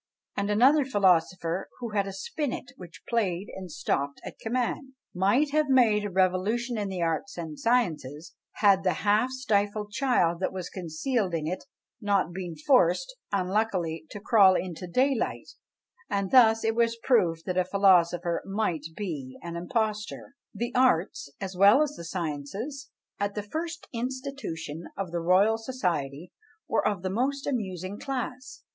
And another philosopher who had a spinnet which played and stopped at command, might have made a revolution in the arts and sciences, had the half stifled child that was concealed in it not been forced, unluckily, to crawl into daylight, and thus it was proved that a philosopher might be an impostor! The arts, as well as the sciences, at the first institution of the Royal Society, were of the most amusing class.